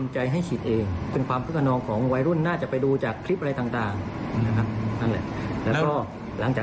จะพร้อมจะดูแล